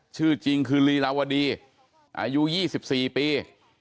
ชื่อจริงคือลีลาวดีอายุ๒๔ปี